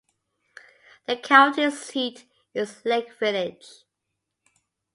The county seat is Lake Village.